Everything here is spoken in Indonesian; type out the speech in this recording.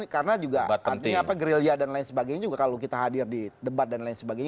karena juga artinya apa gerilya dan lain sebagainya juga kalau kita hadir di debat dan lain sebagainya